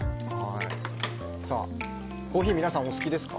コーヒー皆さんお好きですか？